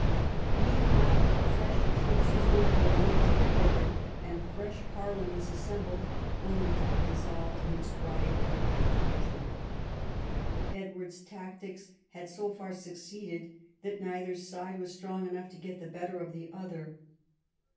Meanwhile fresh truces were made, only to be broken ; and fresh parliaments assembled, only to be dissolved amidst riot and confusion. Edward's tactics had so far succeeded that neither side was strong enough to get the better of the other.